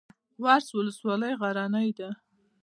ورس ولسوالۍ غرنۍ ده؟